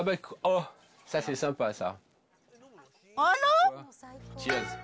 あら？